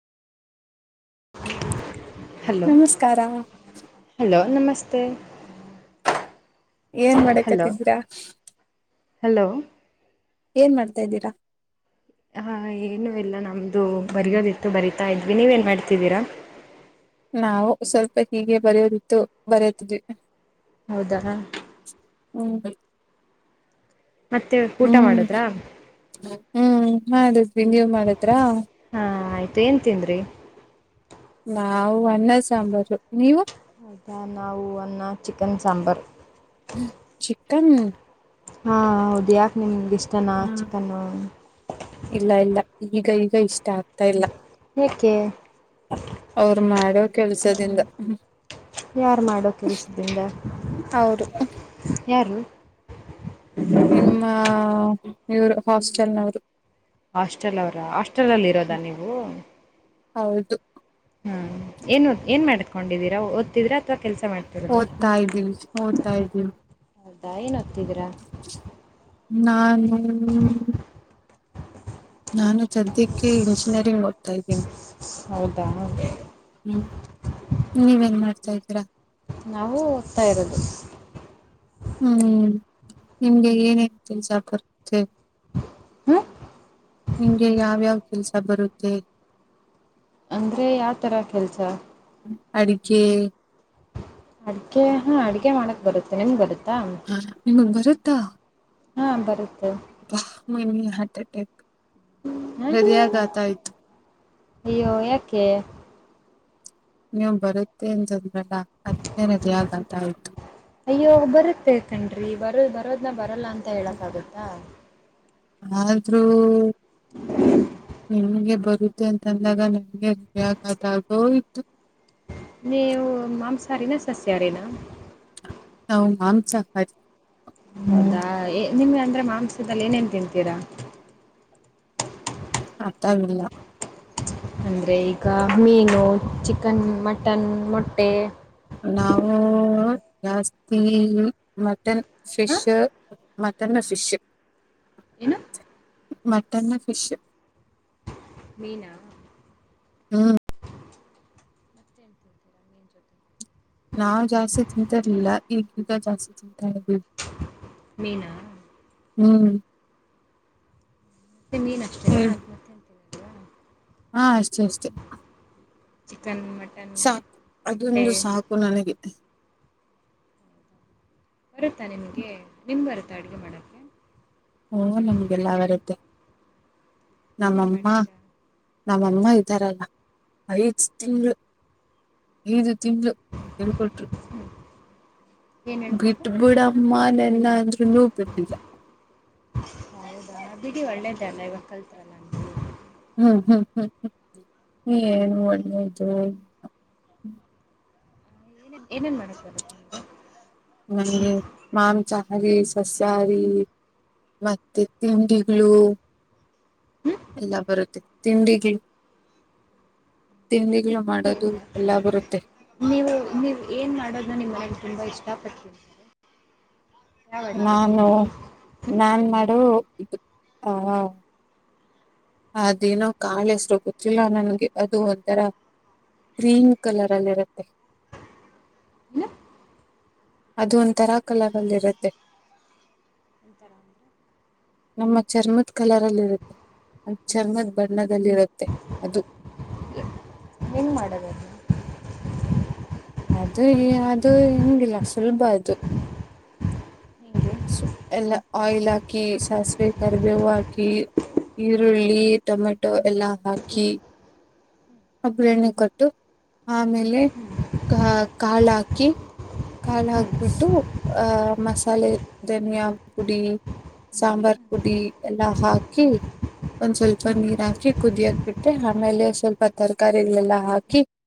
Hello ನಮಸ್ಕಾರ hello ನಮಸ್ತೆ ಏನ್ ಹಲೋ ಮಾಡಕತ್ತಿದ್ರಾ ಹಲೋ ಏನ್ ಮಾಡ್ತಾ ಇದೀರಾ? ಹಾ ಏನು ಎಲ್ಲ ನಮ್ದು ಬರಿಯೋದಿತ್ತು ಬರಿತಾ ಇದ್ವಿ ನೀವೇನ್ ಮಾಡ್ತಿದ್ದೀರಾ? ನಾವು ಸ್ವಲ್ಪ ಹೀಗೆ ಬರೆಯೋದಿತ್ತು ಬರೆಯತಿದ್ವಿ. ಹೌದಾ ಹ್ಮ್ ರಿ ಮತ್ತೆ ಊಟ ಹ್ಮ್ ಮಾಡುದ್ರಾ ಹ್ಮ್ ಮಾಡುದ್ವಿ ನೀವ್ ಮಾಡುದ್ರಾ? ತ್ತೇನ್ ತಿಂದ್ರಿ? ನಾವು ಅನ್ನ ಸಾಂಬಾರು ನೀವು ಹೌದಾ ನಾವು ಅನ್ನ ಚಿಕನ್ ಸಾಂಬಾರು. ಕನ್ ಹಾ ಹಾ ಹೌದು ಯಾಕೆ ನಿಮ್ಗೆ ಇಷ್ ಹ್ಮ್ ಇಲ್ಲ ಇಲ್ಲ. ಈಗ ಈಗ ಇಷ್ಟ ಆಗ್ತಾ ಇಲ್ಲ. ಏಕೆ ಅವ್ರ ಮಾಡೋದ್ ಕೆಲ್ಸದಿಂದ. ಯಾರು ಮಾಡೋ ಕೆಲ್ಸದಿಂದ, ಅವರು ಯಾರು. ನಿಮ್ಮ ಇವರು ಹಾಸ್ಟೆಲ್ನವ್ರು. ಹಾಸ್ಟೆಲ್ ಅವರ ಹಾಸ್ಟೆಲ್ಲ್ಲಿ ಇರೋದ ನೀವು. ಹೌದು. ಹ್ಮ ಏನ್ ಏನ್ ಮಾಡ್ಕೊಂಡಿದೀರಾ ಓದ್ ತಿದಿರಾ. ಓದ್ತಾ ಇದ್ದೀವಿ ಓದ್ತಾ ಇದ್ದೀವಿ. ಹೌದ ಎನ್ ಓದ್ ನಾನು. ನಾನು. ಸದ್ಯಕ್ಕೆ ಇಂಜಿನಿಯರಿಂಗ್ ಓದ್ತಾ ಇದ್ದೀನಿ ಹೌದಾ ಹ್ಮ್. ನೀವೇನ್ ಮಾಡ್ತಾ ಇದ್ದೀರಾ. ನಾವು ಓದ್ತಾ ಇರೋದು. ಹ್ಮ್ ನಿಮ್ಗೆ ಏನೇ ಕೆಸಪರುತ್ತೆ ಹ್ಮ. ನಿಂಗೆ ಯಾವ್ಯಾವ ಕೆಲಸ ಬರುತ್ತೆ. ಅಂದ್ರೆ ಯಾವತರ ಕೆಲ್ಸ. ಅಡಗೇ. ಅಡ್ಗೆ ಹಾ ಅಡ್ಗೆ ಮಾಡಕ್ ಬರುತ್ತೆ ನಿಮ್ಗೆ ಬರುತ್ತೆ ಹ ಬರುತ ಹಾ ಬರುತ್ತೆ. ಅಬ್ಬಾ ಮಿ ಹಾರ್ಟ ಅಟ್ಯಾಕ್. ಹ ಹೃದಯಾಘಾತ ಆಯ್ತು. ಅಯ್ಯೋ ಯಾಕೆ. ನೀವು ಬರುತ್ತೆ ಅಂತ ರಲ್ಲ ಅದೇನದ ಆ ಆಯಿತು ಅಯ್ಯೋ ಬರುತ್ತೆ ಕಣ್ ರಿ ಬರದ್ ಬರೋದ್ನ ಬರಲ್ಲ ಅಂತ ಹೇಳೂಕೆ ಅಗುತ್ತ. ಆದ್ರೂ. ನಿಂಗೆ ಬಾರೋ ಬರುತ್ತೆ ಅಂತಂದಾಗ ನಂಗೆತ ಆಗೋತು ನೀವು ಮಾಂಸ ಮಾಂಸ ಅರಿನ ಸಸ್ಯ ಹಾರಿ ನಾ ನಾವು ಮಾಂಸ ಹಾರಿ. ಹೌದಾ ನಿಮ್ಗೆ ಅಂದ್ರೆ ಮಾಂಸದಲ್ಲಿ ಏನೇನ್ ತಿತೀರಾ. ಅರ್ಥಗ್ಲಿಲ್ಲ. ಅಂದರೆ ಈಗ ಮೀನು ಚಿಕನ್ ಮಟನ್ ಮೊಟ್ಟೆ. ನಾವು ಜಾಸ್ತಿ ಮಟನ್ ಹ ಫಿಶ್ ಮಟನ್ ಫಿಶ್ ಏನು ಮಟನ್ ಫಿಶ್. ಮೀನಾ. ಹ್ಮ್ ನಾವು ಜಾಸ್ತಿ ತಿಂತಿರ್ಲಿಲ್ಲ ಈಗೀಗ ಜಾಸ್ತಿ ತಿಂತಾ ಇದವಿ ಮೀನಾ. ಹ್ಮ್ ಮತ್ತು ಮೀನು ಅಷ್ಟೇನಾ ಹ್ಮ್. ಅದು ಮತ್ತೇನು ತಿನ್ನಲ್ವಾ ಹಾ ಅಷ್ಟೇ ಅಷ್ಟೇ. ಚಿಕನ್ ಮಟನ್ ಸಾಕು ಮೊಟ್ಟೆ ಅದೊಂದು ಸಾಕು ನನಗೆ. ಬರುತ್ತಾ ನಿಮಗೆ ನಿಮ್ ಬರುತ್ತಾ ಅಡುಗೆ ಮಾಡೋಕ್ಕೆ. ಓ ನಮ್ಗೆ ಯಲ್ಲ ಬರುತ್ತೆ. ಏನೇನು ನಮ್ಮಮ್ಮ ಮಾಡ್ತೀರಾ ನಮ್ಮಮ್ಮ ತರಲ್ಲ ಐದು ಹಾಂ ತಿಂಗಳು. ದು ತಿಂಗ್ಲು ಎಲ್ಪಟ್ ಏನು ಹೇಳ್ಕೊಟ್ರು ಬಿಟ್ಬಿಡಮ್ಮ ನನ್ ನಾನ್ನ. ಅಂದ್ರೂನು ಬಿಟ್ಟಿಲ್ಲ. ಹೌದಾ ಬಿಡಿ ಒಳ್ಳೇದೆ ಅಲ್ಲ ಇವಾಗ ಕಲ್ತ ರಲ್ಲ ಹ್ಮ್ ಹ್ಮ್ ಹ್ಮ್ ಹ್ಮ್ ಏನು ಒಳ್ಳೇದು ಏನೋ. ಎನ ಎನ ಮಾಡಿಸ್ತಾರಂಥ. ನಮ್ಗೇ ಮಾಂಸ ಮಾಂಸ ಅರಿ ಸಸ್ಯ ಅರಿ ಮತ್ತೆ ತಿಂಡಿಗಳು ಯಲ್ಲ ಬರುತ್ತೇ ತಿಂಡಿ ತಿಂಡಿ ಅಡುಗೆ ಮಾಡೋದು ಎಲ್ಲ ಬರುತ್ತೆ. ತ್ತೆ. ನೀವ್ ಏನ್ ಮಾಡೋದ ನಾ ನಿಮ್ ಮನೆಯಲ್ಲಿ ತುಂಬಾ ಇಷ್ಟಪಟ್ಟಿ ತಿಂತಿರಾ ನಾನು ನಾನ್ ಮಾಡು ತರ ಅದೇನೋ ಕಾಳ್ ಹೆಸರು ಗೊತ್ತಿಲ್ಲ ನನ್ಗೆ ಅದು ಒಂಥರ ಕ್ರೀಮ್ ಗ್ರೀನ್ ಅಲ್ಲಿರುತ್ತೆ. ಏನು ಅದು ಒಂತರ ಕಲರ್ ಅಲ್ಲಿರುತ್ತೆ ನಮ್ಮ ಚರ್ಮದ ಕಲರ್ ಅಲ್ಲಿ ಇರುತ್ತೆ. ಅದ್ ಚರ್ಮದ್ ಬಣ್ಣದಲ್ಲಿರುತ್ತೆ ಅದು ಹೆಂಗ್ ಮಾಡೋದದು ಹ ಅದು ಯ ಅದು ಹೆಂಗಿಲ್ಲ ಸುಲಭ ಅದು ಹೇಗೆ ಎಲ್ಲ ಆಯಿಲ್ ಹಾಕಿ ಸಾಸಿವೆ ಕರಿಬೇವು ಹಾಕಿ ಈರುಳ್ಳಿ ಟೊಮೆಟೊ ಎಲ್ಲಾ ಹಾಕಿ ಒಗ್ರಣ್ಣೆ ಕೊಟ್ಟು ಆಮೇಲೆ ಆಹ ಕಾಳ್ ಹಾಕಿ ಕಾಳ್ ಹಾಕ್ಬಿಟ್ಟು ಆ ಮಸಾಲೆ ಧನ್ಯ ಪುಡಿ ಸಾಂಬಾರ್ ಪುಡಿ ಎಲ್ಲ ಹಾಕಿ ಒಂದ್ ಸ್ವಲ್ಪ ನೀರ್ ಹಾಕಿ ಕುಡಿಯೋಕ್ ಬಿಟ್ರೆ ಆಮೇಲೆ ಸ್ವಲ್ಪ ತರಕಾರಿಗ್ಳೆಲ್ಲಾ ಹಾಕಿ